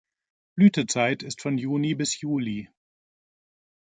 Blütezeit ist von Juni bis Juli.